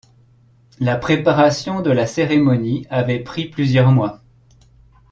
La préparation de la cérémonie avait pris plusieurs mois.